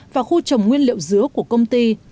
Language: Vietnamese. và khu trồng nguyên liệu dứa của công ty